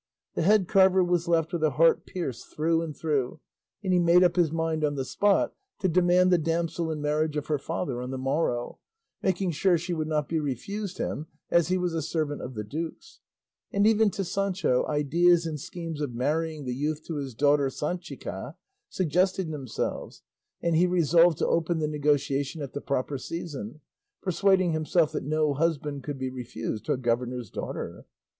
The head carver was left with a heart pierced through and through, and he made up his mind on the spot to demand the damsel in marriage of her father on the morrow, making sure she would not be refused him as he was a servant of the duke's; and even to Sancho ideas and schemes of marrying the youth to his daughter Sanchica suggested themselves, and he resolved to open the negotiation at the proper season, persuading himself that no husband could be refused to a governor's daughter.